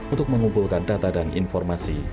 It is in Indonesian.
untuk mengumpulkan data dan informasi